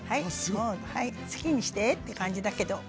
はい好きにしてって感じだけど。